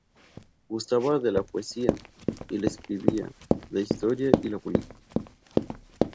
Gustaba de la poesía y la escribía, la historia y la política.